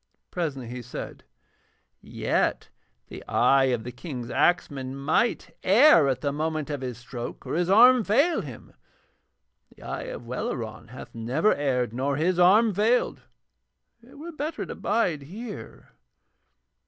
Presently he said: 'Yet the eye of the King's axeman might err at the moment of his stroke or his arm fail him, and the eye of Welleran hath never erred nor his arm failed. It were better to bide here.'